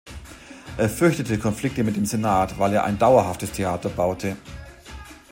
Er fürchtete Konflikte mit dem Senat, weil er ein dauerhaftes Theater baute.